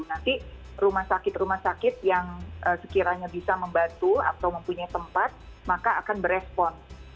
nanti rumah sakit rumah sakit yang sekiranya bisa membantu atau mempunyai tempat maka akan berespon